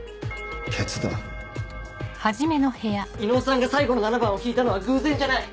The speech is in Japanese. ケツだ伊能さんが最後の７番を引いたのは偶然じゃない。